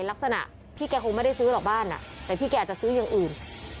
ลักษณะพี่แกคงไม่ได้ซื้อหรอกบ้านแต่พี่แกจะซื้ออย่างอื่น